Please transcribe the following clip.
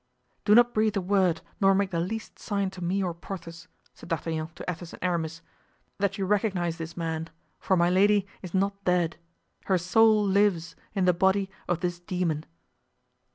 "Do not breathe a word nor make the least sign to me or Porthos," said D'Artagnan to Athos and Aramis, "that you recognize this man, for Milady is not dead; her soul lives in the body of this demon."